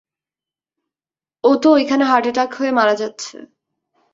ও তো ঐখানে heart attack হয়ে মারা যাচ্ছে।